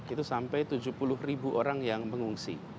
itu sampai tujuh puluh ribu orang yang mengungsi